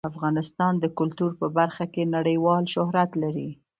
افغانستان د کلتور په برخه کې نړیوال شهرت لري.